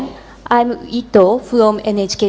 saya ito dari nhk jepang